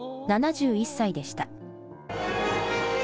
７１歳でした。